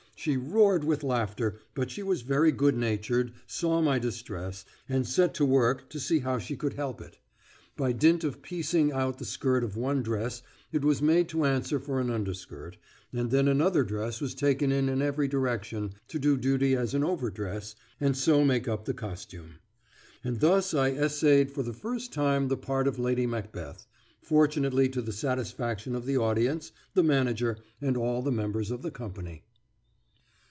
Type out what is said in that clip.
She roared with laughter; but she was very good natured, saw my distress, and set to work to see to how she could help it. By dint of piecing out the skirt of one dress it was made to answer for an underskirt, and then another dress was taken in in every direction to do duty as an overdress, and so make up the costume. And thus I essayed for the first time the part of Lady Macbeth, fortunately to the satisfaction of the audience, the manager, and all the members of the company.